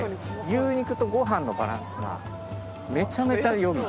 牛肉とご飯のバランスがめちゃめちゃよい。